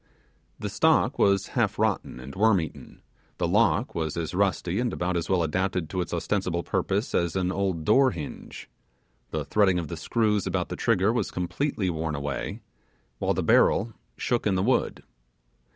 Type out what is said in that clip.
The stock was half rotten and worm eaten; the lock was as rusty and about as well adapted to its ostensible purpose as an old door hinge; the threading of the screws about the trigger was completely worn away; while the barrel shook in the wood.